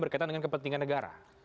berkaitan dengan kepentingan negara